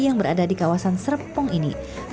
yang berada di kawasan serpong ini